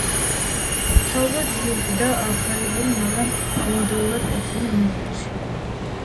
საოცრად ჯიუტი და ახირებული, მაგრამ ამავდროულად კეთილი მოხუცი.